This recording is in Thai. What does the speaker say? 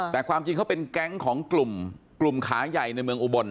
แต่ความจริงเขาเป็นแก๊งของกลุ่มขาใหญ่ในเมืองอุบล